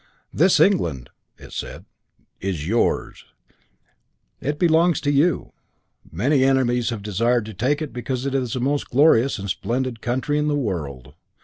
"This England" (it said) "is yours. It belongs to you. Many enemies have desired to take it because it is the most glorious and splendid country in the world.